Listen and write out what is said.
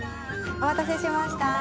お待たせしました。